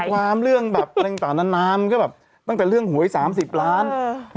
ความเรื่องแบบต่างต่างนั้นนามก็แบบตั้งแต่เรื่องหวยสามสิบล้านเออ